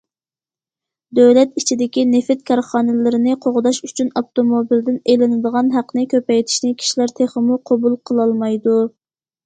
دۆلەت ئىچىدىكى نېفىت كارخانىلىرىنى قوغداش ئۈچۈن ئاپتوموبىلدىن ئېلىنىدىغان ھەقنى كۆپەيتىشنى كىشىلەر تېخىمۇ قوبۇل قىلالمايدۇ.